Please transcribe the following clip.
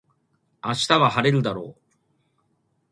明日は晴れるだろう